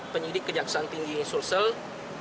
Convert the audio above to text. penyidik kejaksaan tinggi sulawesi selatan